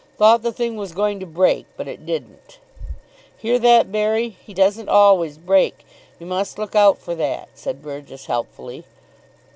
"Thought the thing was going to break, but it didn't." "Hear that, Berry? He doesn't always break. You must look out for that," said Burgess helpfully.